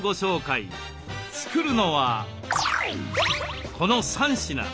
作るのはこの３品。